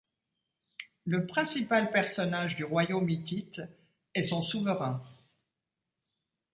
Le principal personnage du royaume hittite est son souverain.